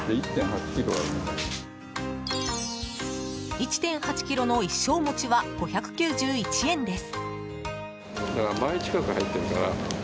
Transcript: １．８ｋｇの一升餅は５９１円です。